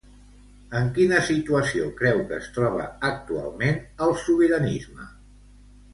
En quina situació creu que es troba actualment el sobiranisme?